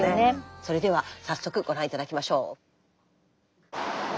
それでは早速ご覧頂きましょう。